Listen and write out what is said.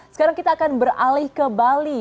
sekarang kita akan beralih ke bali